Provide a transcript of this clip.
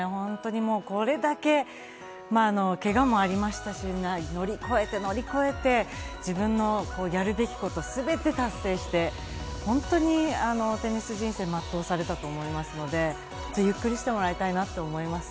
これだけ、けがもありましたし、いろいろ乗り越えて、自分のやるべきことをすべて達成して、本当にテニス人生をまっとうされたと思いますので、ゆっくりしてもらいたいなって思います。